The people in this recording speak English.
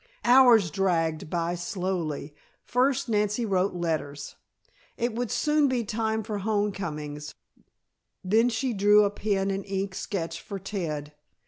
Hours dragged by slowly. First Nancy wrote letters it would soon be time for homecomings then she drew a pen and ink sketch for Ted.